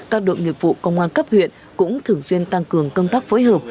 các đội nghiệp vụ công an cấp huyện cũng thường xuyên tăng cường công tác phối hợp